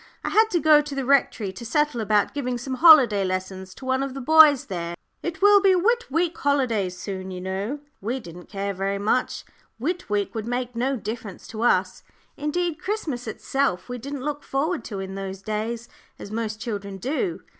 "I had to go to the Rectory to settle about giving some holiday lessons to one of the boys there. It will be Whit week holidays soon, you know." We didn't care very much; Whit week would make no difference to us. Indeed, Christmas itself we didn't look forward to in those days, as most children do.